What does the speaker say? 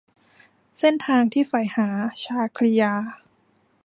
เส้นทางที่ใฝ่หา - ชาครียา